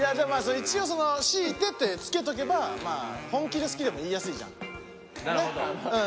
一応その強いてってつけとけば本気で好きでも言いやすいじゃん。ね？